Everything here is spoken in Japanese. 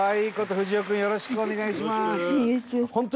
ふじお君よろしくお願いします。